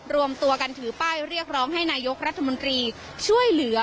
รวมตัวกันถือป้ายเรียกร้องให้นายกรัฐมนตรีช่วยเหลือ